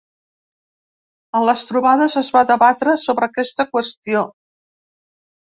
A les trobades es va debatre sobre aquesta qüestió.